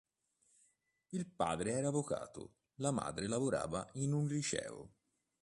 Il padre era avvocato, la madre lavorava in un liceo.